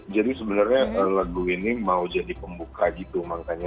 jadi sebenarnya lagu ini mau jadi pembuka gitu makanya